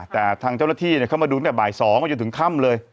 แต่ทางเจ้าหน้าที่เขามาดูแบบบ่าย๒อยู่ถึงค่ำเลย